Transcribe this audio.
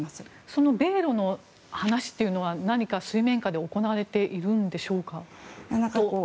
その米ロの話は何か水面下で行われているんでしょうか。